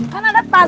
kan ada tas